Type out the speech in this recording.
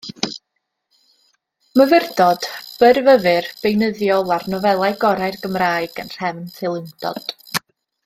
Myfyrdod byrfyfyr beunyddiol ar nofelau gorau'r Gymraeg, yn nhrefn teilyngdod.